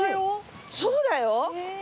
そうだよ。